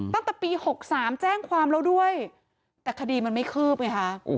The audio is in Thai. ตั้งแต่ปี๖๓แจ้งความแล้วด้วยแต่คดีมันไม่คืบไงคะ